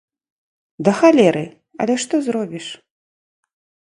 Да халеры, але што зробіш.